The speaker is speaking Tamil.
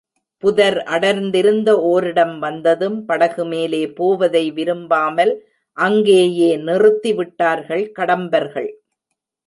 புதர் அடர்ந்திருந்த ஓரிடம் வந்ததும் படகு மேலே போவதை விரும்பாமல் அங்கேயே நிறுத்தி விட்டார்கள் கடம்பர்கள்.